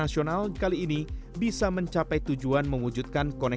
siapa saja ya tuhan